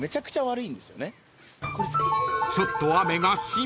［ちょっと］